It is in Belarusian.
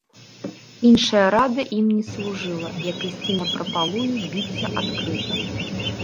Іншая рада ім не служыла, як ісці напрапалую, біцца адкрыта.